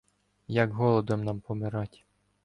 Як голодом нам помирать.